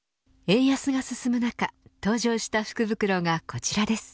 円安が進む中登場した福袋がこちらです。